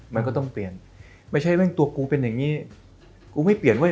มันก็ต้องเปลี่ยนไม่ใช่เรื่องตัวกูเป็นอย่างนี้กูไม่เปลี่ยนเว้